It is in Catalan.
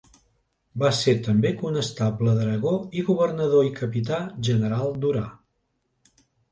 Va ser també conestable d'Aragó i governador i capità general d'Orà.